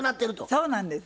そうなんです。